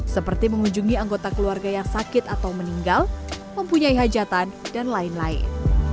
seperti mengunjungi anggota keluarga yang sakit atau meninggal mempunyai hajatan dan lain lain